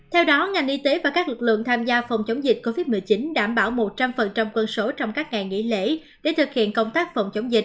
theo đó ngành y tế và các lực lượng tham gia phòng chống dịch covid một mươi chín đảm bảo một trăm linh quân số trong các ngày nghỉ lễ để thực hiện công tác phòng chống dịch